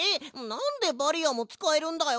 なんでバリアーもつかえるんだよ！